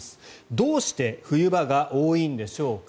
どうして冬場が多いんでしょうか。